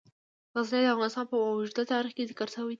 غزني د افغانستان په اوږده تاریخ کې ذکر شوی دی.